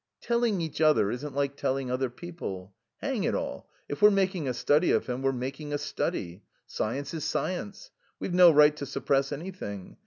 "Telling each other isn't like telling other people. Hang it all, if we're making a study of him we're making a study. Science is science. We've no right to suppress anything.